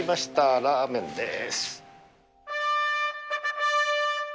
ラーメンです。